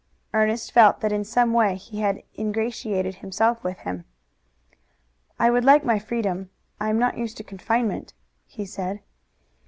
Ernest felt that in some way he had ingratiated himself with him. "I would like my freedom. I am not used to confinement," he said.